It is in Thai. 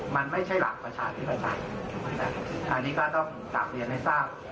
มันไม่ใช่หลักประชาธิปไตยอันนี้ก็ต้องกลับเรียนให้ทราบ